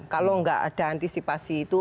kalau nggak ada antisipasi itu